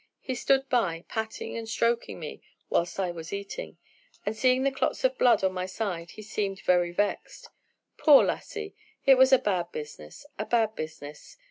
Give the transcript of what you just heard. He stood by, patting and stroking me whilst I was eating, and seeing the clots of blood on my side he seemed very vexed. 'Poor lassie! it was a bad business, a bad business!'